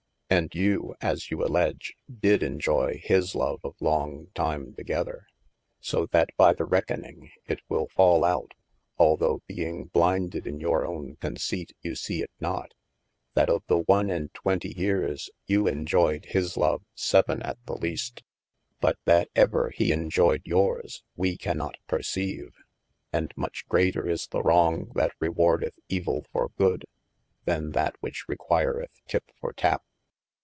And you (as you alledge) did enjoy his love of long time to gether. So that by the reckoning, it wil fal out (although being b[lin]ded in your owne conceipt, you see it not) that of the one & twenty yeares you enjoyed his love vii. at the least, but that ever he enjoyed yours wee cannot perceive. And much greater is the wrong that rewardeth evill for good, than that which requireth tip for tap.